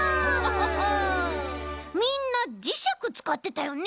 みんなじしゃくつかってたよね。